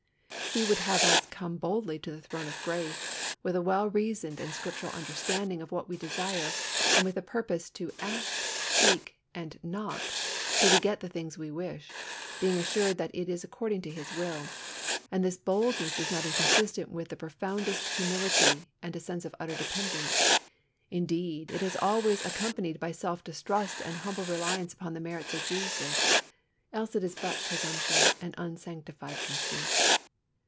He would have us "come boldly to the throne of grace" with a well reasoned and Scriptural understanding of what we desire, and with a purpose to "ask," "seek," and "knock" till we get the thing we wish, being assured that it is according to His will; and this boldness is not inconsistent with the profoundest humility and a sense of utter dependence; indeed, it is always accompanied by self distrust and humble reliance upon the merits of Jesus, else it is but presumption and unsanctified conceit.